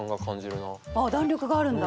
あ弾力があるんだ。